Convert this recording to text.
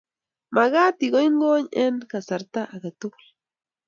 Makat ikonygony eng kasarta age tugul